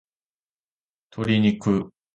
鶏肉